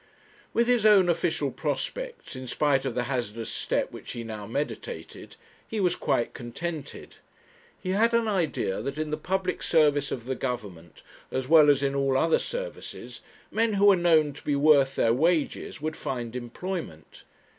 With his own official prospects, in spite of the hazardous step which he now meditated, he was quite contented. He had an idea that in the public service of the Government, as well as in all other services, men who were known to be worth their wages would find employment.